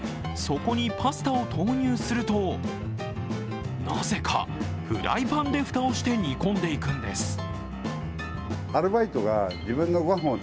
そこにパスタを投入すると、なぜかフライパンで蓋をして煮込んでいくんです。